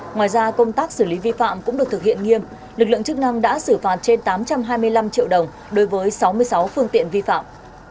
ngoài ra công tác xử lý vi phạm cũng được thực hiện nghiêm lực lượng chức năng đã xử phạt trên tám trăm hai mươi năm triệu đồng đối với sáu mươi sáu phương tiện vi phạm